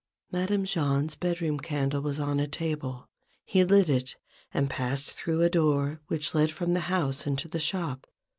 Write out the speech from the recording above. Madame Jahn's bedroom candle was on a table : he lit it, and passed through a door which led from the house into the shop.